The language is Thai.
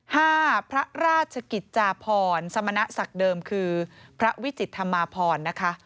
ห้าพระราชกิจจาพรสมณศักดิ์เดิมคือพระวิจิตธรรมาพรนะคะ